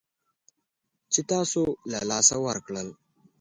چې تاسو له لاسه ورکړل